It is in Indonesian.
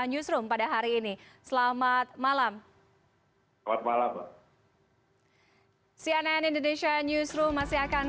newsroom pada hari ini selamat malam selamat malam cnn indonesia newsroom masih akan